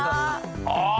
ああ！